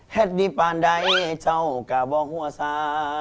แฮดดีป่านใดเจ้ากะบอกหัวซา